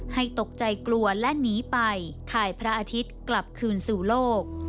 ให้ตกใจกลัวและหนีไปถ่ายพระอาทิตย์กลับคืนสู่โลก